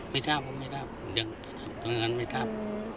ไม่ครับไม่ครับตรงนั้นไม่ครับ